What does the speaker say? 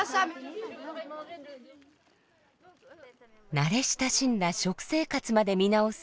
慣れ親しんだ食生活まで見直す